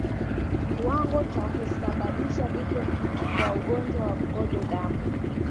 Kiwango cha kusababisha vifo kwa ugonjwa wa mkojo damu